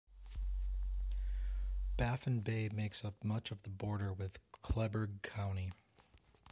Baffin Bay makes up much of the border with Kleberg County.